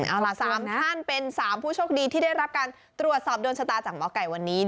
เอาล่ะ๓ท่านเป็น๓ผู้โชคดีที่ได้รับการตรวจสอบโดนชะตาจากหมอไก่วันนี้